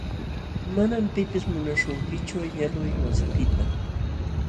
Manam pipis munaśhunkichu yalquy wasipiqta.